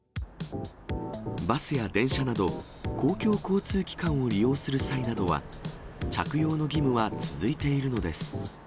バスや電車など、公共交通機関を利用する際などは、着用の義務は続いているのです。